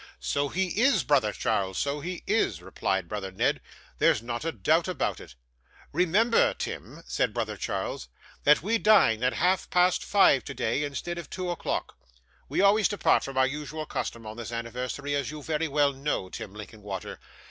'So he is, brother Charles, so he is,' replied brother Ned. 'There's not a doubt about it.' 'Remember, Tim,' said brother Charles, 'that we dine at half past five today instead of two o'clock; we always depart from our usual custom on this anniversary, as you very well know, Tim Linkinwater.